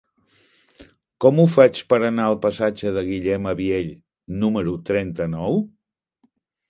Com ho faig per anar al passatge de Guillem Abiell número trenta-nou?